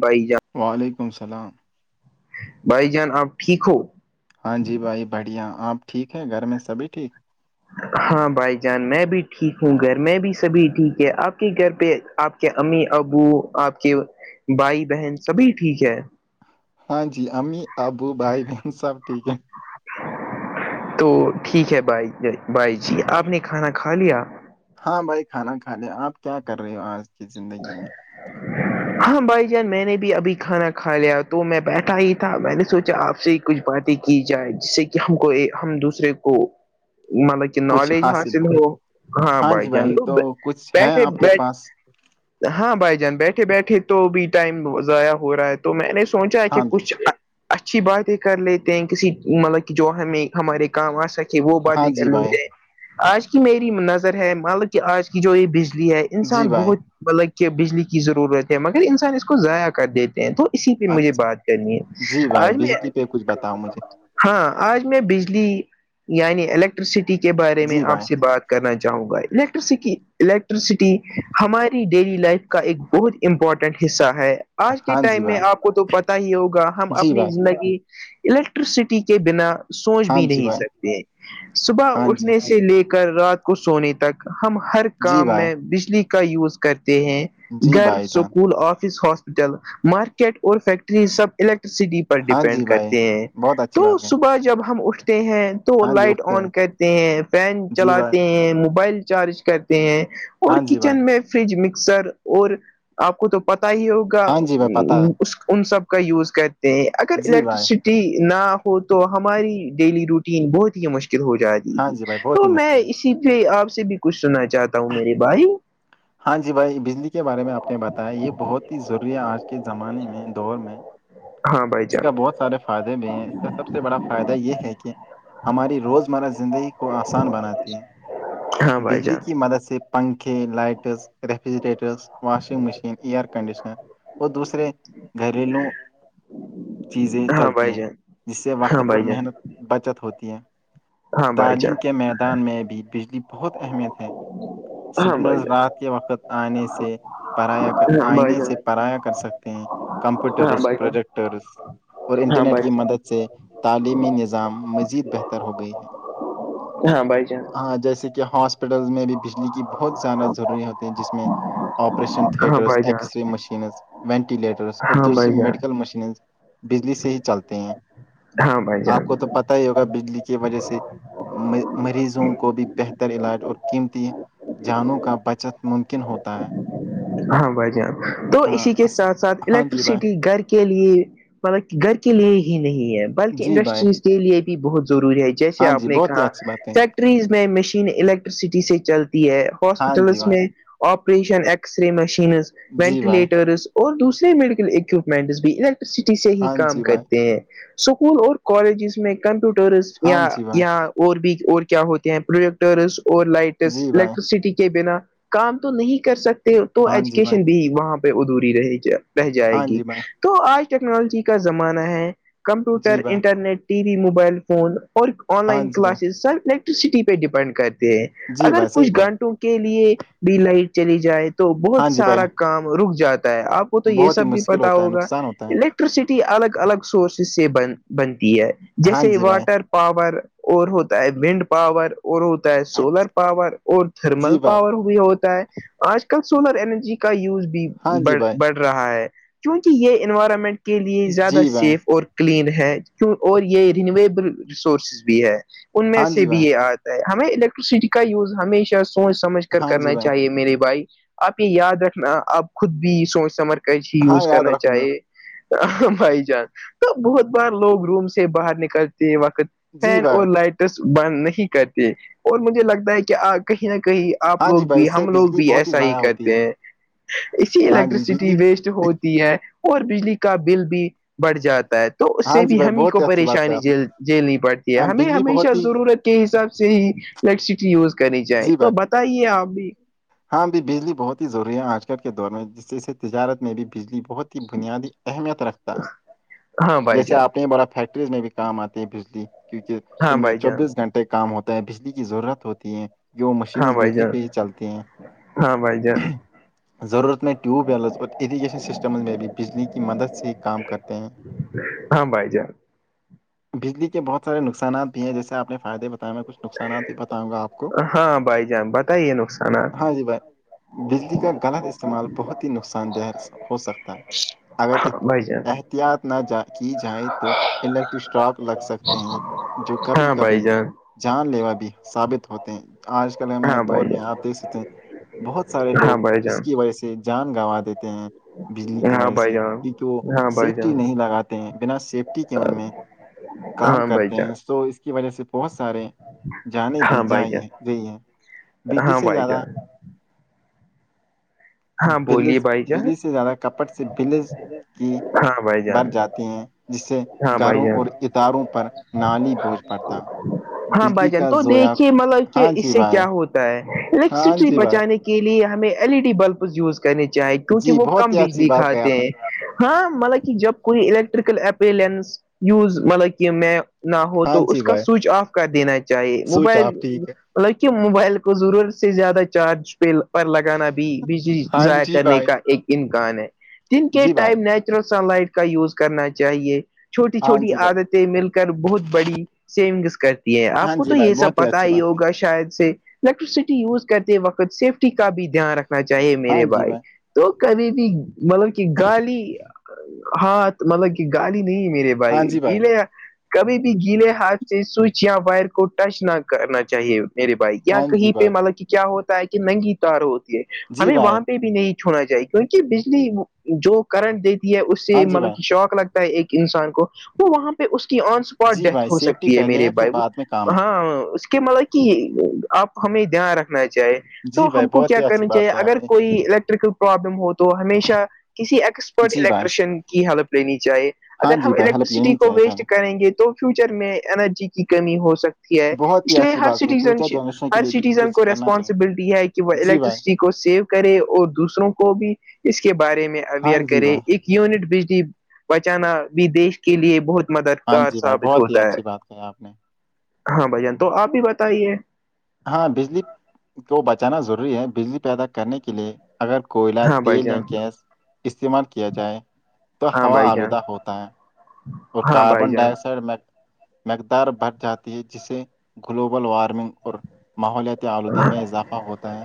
by جان [unintelligible] وعلیکم السلام بھائی جان آپ ٹھیک ہو ہاں جی بھائی بڑھیا آپ ٹھیک ہیں گھر میں سبھی ٹھیک ہاں بھائی جان میں بھی ٹھیک ہوں گھر میں بھی سبھی ٹھیک ہے آپ کے گھر پہ آپ کے امی ابو آپ کے بھائی بہن سبھی ٹھیک ہے ہاں جی امی ابو بھائی بہن سب ٹھیک ہیں تو ٹھیک ہے بھائی بھائی جی آپ نے کھانا کھا لیا ہاں بھائی کھانا کھا لے آپ کیا کر رہے ہو آج کی زندگی [inaudible] میں [inaudible] ہاں بھائی جان میں نے بھی ابھی کھانا کھا لیا تو میں بیٹھا ہی تھا میں نے سوچا آپ سے کچھ باتیں کی جائے جس سے کہ ہم کو ہم دوسرے کو مطلب نالج حاصل ہو ہاں بھائی جی جان تو کچھ ہے بیٹھے آپ کے بیٹھ پاس ہاں بھائی جان بیٹھے بیٹھے تو بھی ٹائم ضائع ہو رہا ہے تو میں نے سوچا ہے کہ ہاں جی کچھ [unintelligible] اچھی باتیں کر لیتے ہیں کسی مطلب کہ جو ہمیں ہمارے کام آ سکتے کہ وہ ہاں باتیں جی کرنی بھائی چاہ آج کی میری نظر ہے مان لو کہ آج کی جو یہ بجلی ہے جی انسان بھائی بہت مطلب کہ بجلی کی ضرورت ہے مگر انسان اس کو ضائع کر دیتے ہیں تو اسی پہ مجھے اچھا بات کرنی جی ہے بھائی آج میں بجلی پہ کچھ بتاؤ مجھے ہاں آج میں بجلی یعنی الیکٹرسٹی کے بارے میں جی آپ بھائی سے بات کرنا چاہوں گا الیکٹرسٹی الیکٹرسٹی ہماری ڈیلی لائف کا ایک بہت امپورٹنٹ حصہ ہے آج کے ہاں جی ٹائم میں بھائی آپ کو تو پتا ہی ہوگا ہم جی اپنی بھائی زندگی الیکٹرسٹی کے بنا سوچ ہاں بھی جی نہیں بھائی سکتے صبح ہاں جی اٹھنے سے لے کے کر رات کو سونے تک ہم ہر جی کام بھائی میں بجلی کا یوز کرتے ہیں جی گھر بھائی جان اسکول آفس ہاسپٹل مارکیٹ اور فیکٹری سب الیکٹرسٹی ہاں جی ڈیپینڈ بھائی کرتے ہیں بہت اچھی تو بات ہے صبح جب ہم اٹھتے ہیں تو ہاں جی لائٹ اٹھتے ہیں آن کرتے ہیں فین جی بھائی چلاتے ہیں موبائل چارج کرتے ہیں اور ہاں جی بھائی کچن میں فریج مکسر اور آپ کو تو پتا ہی ہوگا ہاں جی بھائی پتہ ہے ان سب کا یوز کرتے ہیں اگر جی بھائی الیکٹریسٹی نہ ہو تو ہماری ڈیلی روٹین بہت ہی مشکل ہو جاتی ہاں جی بھائی بہت تو ہی میں مشکل ہے اسی پ آپ سے بھی کچھ سننا چاہتا ہوں میرے بھائی ہاں جی بھائی بجلی کے بارے میں آپ نے بتایا یہ بہت ہی ضروری ہے آج کے زمانے میں دور میں ہاں بھائی اس کا جان بہت سارے فائدے بھی ہیں اس کا سب سے بڑا فائدہ یہ ہے کہ ہماری روزمرہ زندگی کو آسان بناتی ہیں ہاں بھائی بجلی جان کی مدد سے پنکھے lights refrigerators washing machine air conditioner وہ دوسرے گھریلو چیزیں ہاں چلتی بھائی ہیں جان جس سے ہاں وقت اور بھائی جان محنت بچت ہوتی ہے ہاں بھائی جان تعلیم کے میدان میں بھی بجلی بہت اہمیت ہے ہاں سڈنز بھائی جان رات کے وقت آنے سے پرایا ہاں بھائی آئینے جان سے پرایا کر سکتے ہیں ہاں کمپیوٹرس بھائی جان پروجیکٹرس اور ہاں انٹرنیٹ بھائی کی مدد سے جان تعلیمی نظام مزید بہتر ہو گئی ہے ہاں بھائی جان ہاں جیسے کہ ہاسپٹل میں بھی بجلی کی بہت زیادہ ضروری ہوتی ہیں جس میں آپریشن ہاں تھیٹرس بھائی جان ایککسرے مشینز وینٹیلیٹرس اور ہاں بھائی دوسری جان میڈکل مشینز بجلی سے ہی چلتے ہیں ہاں بھائی آپ جان کو تو پت ہی ہوگا بجلی کی وجہ سے مریضوں کو بھی بہتر علاج اور قیمتی جانوں کا بچت ممکن ہوتا ہے ہاں بھائی جان تو ہاں اسی کے اس- ساتھ ساتھ ہاں جی بھائی الیکٹریسٹی گھر کے کے لیے مطلب گھر کے لیے ہی نہیں ہے بلکہ جی بھائی انڈسٹریز کے لیے بھی بہت ضروری ہے جیسے ہاں آپ جی نے بہت ہی کہا اچھی بات کہی فیکٹ ریز میں مشین الیکٹریسٹی سے چلتی ہے ہاں جی ہاسپٹلس بھائی میں آپریشن ایکٹ ایکسرے مشینز جی بھائی وینٹیلیٹرز اور دوسرے میڈیکل اکوپمنٹس بھی ال سٹی سے ہی ہاں کام جی بھائی کرتے ہیں اسکول اور کالجز میں کمپیوٹرس ہاں یا جی بھائی یا اور بھی اور کیا ہوتے ہیں پروڈکٹرس اور لائٹ جی بھائی الیکٹرسٹی کے بنا کام تو نہیں کر سکتے تو ہاں جی بھائی ایجوکیشن بھی وہاں ادھوری رہ رہ جائے ہاں گی جی بھائی تو آج ٹیکنالوجی کا زمانہ ہے جی کمپیوٹر بھائی internet T V mobile phone اور آن ہاں لائن جی بھائی کلاسز سب نیکٹ ٹسٹی پہ ڈیپینڈ کرتے ہیں جی اگر بھائی صحیح کچھ بولا گھنٹوں کے لیے بھی لائٹ چلی جائے تو ہاں بہت جی بھائی سارا کام رک جاتا ہے آپ کو تو یہ بہت ہی سب بھی مشکل پتا ہوتا ہے ہوگا نقصان ہوتا لیک ٹسٹی الگ الگ سورسز سے بن بنتی ہے ہاں جیسے جی بھائی واٹر پاور اور ہوتا ہے ونڈ پاور اور ہوتا ہے اچ- سولر پاور اور تھرمل جی بھائی پاور بھی ہوتا ہے آج سولر اینرجی کا یوز ہاں جی بھیڑ بھائی بڑھ رہا ہے کیونکہ یہ انوائرمنٹ کے لیے زیادہ جی بھائی سیف اور کلین ہے کی اور یہ رینویبل ریسورسز بھی ہے ان میں ہاں سے جی بھی بھائی یہ آج ہمیں الیکٹرسٹی کا یوز ہمیشہ سوچ سمجھ کر ہاں جی کرنا بھائی چاہیے میرے بھائی آپ یہ یاد رکھنا آپ خود بھی سوچ سمر کج ہی ہاں یوز یاد کرنا رکھوں گا چاہیے بھائی جان تو بہت بار لوگ روم سے باہر نکلتے ہیں وقت جی فین بھائی اور لائٹس بند نہیں کرتے اور مجھے لگتا ہے کہ کہیں نہ کہیں آپ ہاں جی لوگ بھائی بھی اس سے ہم لوگ بجلی بھی بہت ایسا ہی ضائع ہوتی کہتے ہے ہیں اسی ہاں جی الیکٹریسٹی بجلی و ہوتی ہے اور بجلی کا بل بھی بڑھ جاتا ہے تو اس ہاں سے جی بھی بھائی ہم ہی بہت کو اچھی بات ہے پریشانی آپ نے جیل جیلنی پڑتی ہے ہاں ہمیں بجلی ہمیشہ بہت ہی ضرورت کے حساب سے ہی الیکٹرسٹی یوز کرنی جائے جی تو بھائی بتائیے آپ بھی ہاں ابھی بجلی بہت ہی ضروری ہے آج کل کے دور میں جس ج سے تجارت میں بھی بجلی بہت ہی بنیادی اہمیت رکھتا ہے ہاں بھائی جیسے جان آپ نے بڑا فیکٹری میں بھی کام آتی ہے بجلی کیونکہ ہاں ان میں بھائی جان چوبیس گھنٹے کام ہوتا ہے بجلی کی ضرورت ہوتی ہے کہ وہ ہاں مشینز بھائی بجلی جان پہ ہی چلتی ہیں ہاں بھائی جان ضرورت میں ٹیوب ویلز اور اریگیشن سسٹمز میں بھی بجلی کی مدد سے ہی کام کرتے ہیں ہاں بھائی جان بجلی کے بہت سارے نقصانات بھی ہیں جیسے آپ نے فائدے بتائے میں کچھ نقصانات بھی بتاؤں گا آپ کو ہاں بھائی جان بتائیے نقصانات جی بھائی بجلی کا غلط استعمال بہت ہی نقصان دہ ہو سکتا ہے اگر ہاں بھائی جان احتیاط نہ کی جائے تو الیکٹرک اسٹاک لگ سکتے ہیں جو کبھی ہاں بھائی کبھی جان جان لیوا بھی ثابت ہوتے ہیں آج کل ہم ہاں دور بھائی میں جان آپ دیکھ سکتے ہیں بہت سارے ہاں لوگ بھائی اس جان کی وجہ سے جان گوا دیتے ہیں بجلی کی ہاں وجہ بھائی سے جان کیونکہ وہ ہاں بھائی سیفٹی جان نہیں لگاتا ہیں بنا سیفٹی کے ان میں کام ہاں بھائی کرتے جان ہیں سو اس کی وجہ سے بہت سارے جان بھی ہاں ج بھائی ہے جان یہی ہے بجلی ہاں سے بھائی زیادہ جان ہاں بلز بولیے بھائی جان بلی سے زیادہ کپٹ سے بلز کی ہاں بھائی بر جان جاتے ہیں جس سے ہاں بھائی گھروں جان اور اتاروں پر نالی بوجھ پڑتا ہاں بھائی بجلی جان کا تو زویا دیکھیے مطلب کہ ہاں اس جی سے بھائی کیا ہوتا ہاں الیکٹرسٹی جی بھائی بچانے کے لیے ہمیں L E D bulb use کر کرنے چاہے کیونکہ جی وہ بہت کم ہی اچھی بجلی بات کہی کھاتے آپ نے ہیں ہاں مطلب کہ جب کوئی الیکٹریکل اپلینس یوز مطلب کہ میں نہ ہو ہاں تو اس جی کا بھائی سوئچ آف کر دینا چاہیے سوچ موبائل آپ ٹھیک ہے لطکہ موبائل کو ضرورت سے زیادہ چارج پہ پر لگانا بھی بجلی ہاں ضائع جی کرنے بھائی کا ایک امکان ہے دن کے جی بھائی ٹائم نیچرل سن لائٹ کا یوز کرنا چاہیے چھوٹی ہاں چھوٹی جی بھائی عادتیں مل کر بہت بڑی سیونگس کرتے یہ آپ ہاں کو تو جی بھائی یہ سب بہت پتا اچھی ہی بات کہی ہوگا شاید سے الیکٹرسٹی یوز کرتے وقت سیفٹی کا بھی دھیان رکھنا چاہیے ہاں میرے جی بھائیک بھائی تو کبھی بھی مطلب کہ گالی ہاتھ مطلب کہ گالی نہیں میرے بھائی ہاں جی گی لیا کبھی بھی گیلے ہاتھ سے سوئچ یا وائر کو ٹچ نہ کرنا چاہیے میرے بائک یا ہاں کہیں جی پہ بھائی مطلب کہ کیا ہوتا ہے کہ ننگی تار ہوتی ہے جی ہمیں بھائی وہاں پہ بھی نہیں چھوڑنا چاہیے کیونکہ بجلی جو کرنٹ دیتی ہے اس ہاں سے جی مطلب بھائی کہ شوق لگتا ایک انسان کو وہ وہاں پہ اس کی آنس اسپاٹ جی بھائی ڈیتھ ہو سیفٹی سکتی ہے پہلے میرے پھر بھائی وہ بعد میں کام ہے ہاں اس کہ مطلب کہ آپ ہمیں دھیان رکھنا چاہے جی بھائی بہت ہی اچھی بات کہ آپ نے الیکٹریکل پرابلم ہو تو ہمیشہ کسی ایکسپرٹ جی بھائی الیکٹریشن کی حلپ لینی چاہے ہاں اگر ہم جی بھائی ہیلپ الیکٹریسٹی لینی کو چاہیے پہلے ویسٹ کریں گے تو فیوچر میں انرجی کی کمی ہو سکتی ہے بہت ہی اس لیے اچھی ہر بات ہے سٹیزن فیوچر جنریشن کے ہر لیے بھی سٹیزن کچھ کو کرنا چاہیے ریسپانسبلٹی ہے کہ وہ جی الیکٹ بھائی کو سیو کرے اور دوسروں کو بھی اس کے بارے میں ہاں اویئر جی کرے بھائی ایک یونٹ بجلی بچانا بھی دیش کے لیے بہت ہاں مددگار جی بھائی ثابت بہت ہی ہوتا ہے اچھی بات کہی آپ نے ہاں بھائیان تو آپ بھی بتائیے ہاں بجلی کو بچانا ضروری ہے بجلی پیدا کرنے کے لیے اگر کوئلہ ہاں بھائی تیل یا جان گیس استعمال کیا جائے تو ہاں ہوا بھائی جان آلودہ ہوتا ہے اور ہاں بھائی کاربن جان ڈائی آکسائڈ میں مقدار بھ جاتی ہے جسے گلوبل وارمنگ اور ماحولیاتی آلودگی میں اضافہ ہوتا ہے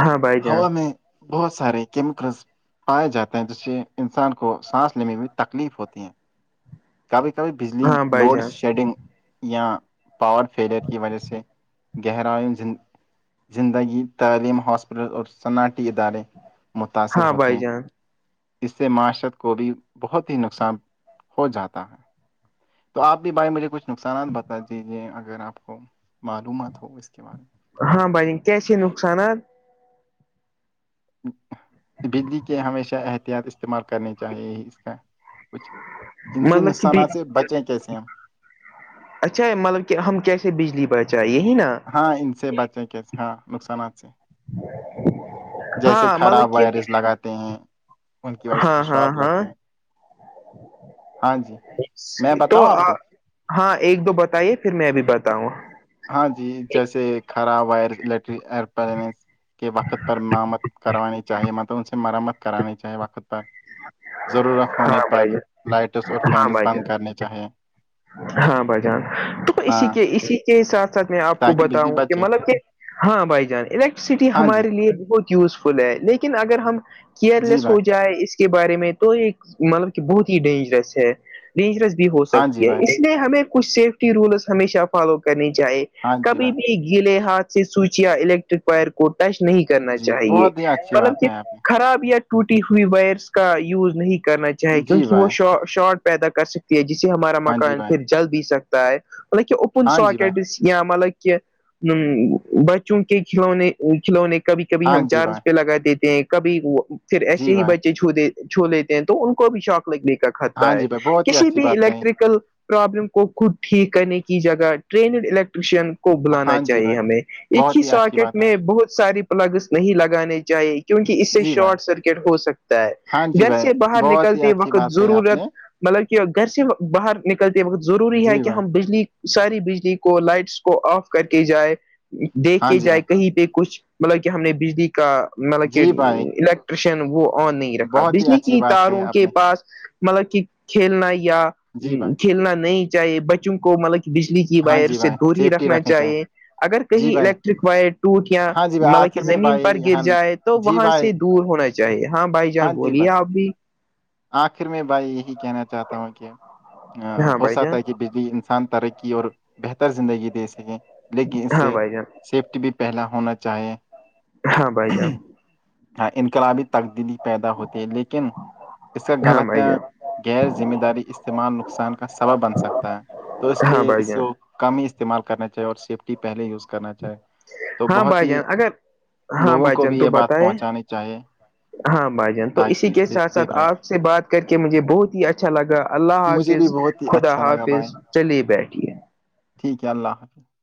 ہاں بھائی جان ہوا میں بہت سارے کیمیکلس پائے جاتے ہیں جس سے انسان کو سانس لینے میں بھی تکلیف ہوتی ہے کبھی کبھی بجلی ہاں بھائی لوڈ جان شیڈنگ یا پاور فیلئر کی وجہ سے گہرائیند زندگی تعلیم ہاسپٹل اور صنعٹیتی ادارے متاثر ہاں ہوتے بھائی ہیں جان اس سے معاشرت کو بھی بہت ہی نقصان ہو جاتا ہے تو آپ بھی بھائی مجھے کچھ نقصانات بتا دیجیے اگر آپ کو معلومات ہو اس کے بارے میں ہاں بائی کیا چ نقصانات بجلی کے ہمیشہ احتیاط استعمال کرنی چاہیے اس کا کچھ ان سے مطلب کہ نقصانات سے بچیں کیسے ہم اچھا یہ مطلب کہ ہم کیسے بجلی پہچائےے ہی نا ہاں ان سے بچیں کیس ہاں نقصانات سے جیسے ہاں خراب مطلب کہ وائرس لگاتے ہیں ان کی وائرس پ ہاں ہاں شوق ہاں لگتے ہیں ہاں جی میں تو بتاؤں آپ کو ہاں ایک دو بتائیے پھر میں بھی بتاؤں گا ہاں جی جیسے خراب وائر الیکٹر ای پر مرمت کروانی چاہیے مطلب ان سے مرمت کرانی چاہیے وقت پر ضرورت ہونے ہاں پر بھائی جان لائٹس اور ہاں فینس بھائی جان بند کرنے چاہیے ہاں بھائی جان تو اسی ہاں کے اسی کے ساتھ ساتھ میں آپ کو تاکہ بجلی بتاؤں کہ بچے مطلب کہ ہاں بھائی جان الیکٹرسٹی ہاں جی ہمارے لیے بہت یوزفل ہے لیکن اگر ہم جی کیئرلیس بھائی ہو جائے اس کے بارے میں تو یہ مطلب کہ بہت ہی ڈینجرس ہے ڈینجرس بھی ہو ہاں جی سکتی ہے بھائی اس لیے ہمیں کچھ سیفٹی رولس ہمیشہ فالو کرنی چاہے ہاں جی کبھی بھائی بھی گیلے ہاتھ سے سوچیاں الیکٹ وائر کو ٹچ نہیں کرنا جی چاہیے بہت ہی اچھی قلم بات سے ہے آپ نے خراب یا ٹوٹی ہوئی وائرس کا یوز نہیں کرنا چاہے جی کیونکہ وہ بھائی شارٹ پیدا کر سکتی ہے جسے ہمارا ہاں جی مکان بھائی خرید جل بھی سکتا ہے مطلب کہ اوپن ہاں سو جی بھائی اکڈیسی مطلب کہ بچوں کے کھلنے کھلونے کبھی کبھی ہاں ہم جی بھائی چارج پہ لگا دیتے ہیں کبھی وہ پھر جی ایسے ہی بھائی بچے جو ھ چھو لیتے ہیں تو ان کو بھی چاک لگنے کا ہاں خطرہ ہے جی بھائی بہت ہی کسی اچھی بھی بات کہی الیکٹریکل پرابلم کو خود ٹھیک کرنے کی جگہ ٹرینیڈ الیکٹریشن کو بلانا ہاں جی چاہیے بھائی ہمیں ایک ہی بہت اچھی ساکٹ بات ہے میں بہت ساری پلگس نہیں لگانے چاہیے کیونکہ اس سے جی بھائی شارٹ سرکٹ ہو سکتا ہاں ہے جی گھر بھائی سے باہر بہت ہی نکلتے اچھی وقت بات کہی آپ ضرورت نے مطلب کہ گھر سے باہر نکلتے وقت ضروری ہے جی کہ بھائی ہم بجلی ساری بجلی کو لائٹس کو آف کر کے جائے دیکھ ہاں کے جی جائے بھائی کہیں پہ کچھ مطلب کہ ہم نے بجلی کا مطلب کہ جی بھائی الیکٹریشن وہ آن نہیں رکھا بہت ہی بجلی اچھی کی بات کہی تاروں آپ کے نے پاس مطلب کہ کھیلنا یا جی بھائی کھیلنا نہیں چاہیے بچوں کو مطلب کہ بجلی ہاں وائر جی سے بھائی دور ہی سیفٹی رکھنا رکھنی چاہیے اگر کہیں جی بھائی الیکٹرک وائر ٹوٹ یا ہاں جی بھائی مل آخر میں زمین پر بھائی گر ہاں جائے تو جی وہاں بھائی سے دور ہونا چاہیے ہاں بھائی جان جی بولیے بھائی آپ بھی آخر میں بھائی یہی کہنا چاہتا ہوں کہ ہاں ہو بھائی جان سکتا ہے کہ انسان ترقی اور بہتر زندگی دے سکے لیکن اس ہاں سے بھائی جان سیفٹی بھی پہلا ہونا چاہے ہاں بھائی جان ہاں انقلابی تبدیلی پیدا ہوتی ہے لیکن اس کا ہاں غلط بھائی ہیں جان غیر ذمہ داری استعمال نقصان کا سب بن سکتا ہے تو اس ہاں لیے بھائی اس جان کو کم ہی استعمال کرنا چاہیے اور سیفٹی پہلے یوز کرنا چاہے تو ہاں بہت بھائی ہی جان اگر ہاں لوگوں بھائی کو جند بھی تو یہ بات بتائے پہنچانی چاہیے ہاں بھائی جان تو اسی تاکہ کے اس سے ساتھ ساتھ سیف رہیں آپ سے بات کر کے مجھے بہت ہی اچھا اچھا لگا اللہ مجھے بھی حافظ بہت ہی خدا اچھا لگا بھائی حافظ چلیے بیٹھیے ٹھیک ہے اللہ حافظ